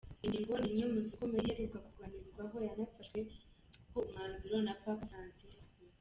Iyi ngingo ni imwe mu zikomeye iheruka kuganirwaho yanafashweho umwanzuro na Papa Faransisiko.